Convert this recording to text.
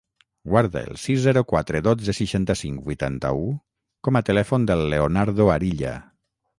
Guarda el sis, zero, quatre, dotze, seixanta-cinc, vuitanta-u com a telèfon del Leonardo Arilla.